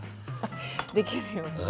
できるようにね。